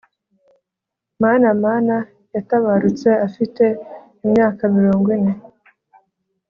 mana mana yatabarutse afite imyaka mirongo ine